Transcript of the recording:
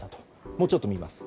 もうちょっと見ます。